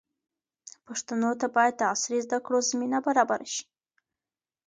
پښتنو ته باید د عصري زده کړو زمینه برابره شي.